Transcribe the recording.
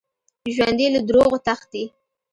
ژوندي له دروغو تښتي